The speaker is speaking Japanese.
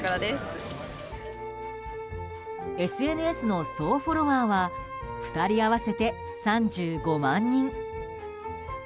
ＳＮＳの総フォロワーは２人合わせて３５万人！